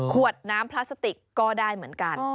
ขวดน้ำพลาสติกก็ได้เหมือนกัน